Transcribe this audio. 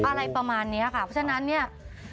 อะไรประมาณนี้ค่ะเพราะฉะนั้นเนี่ย